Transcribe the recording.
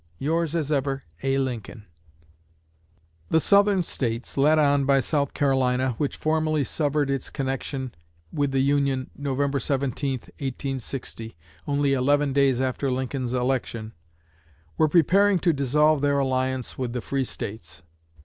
Yours as ever, A. LINCOLN. The Southern States, led on by South Carolina, which formally severed its connection with the Union November 17, 1860 (only eleven days after Lincoln's election), were preparing to dissolve their alliance with the Free States.